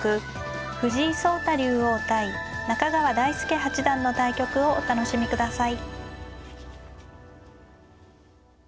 藤井聡太竜王対中川大輔八段の対局をお楽しみください。